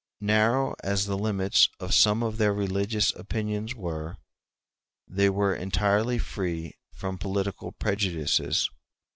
Narrow as the limits of some of their religious opinions were, they were entirely free from political prejudices.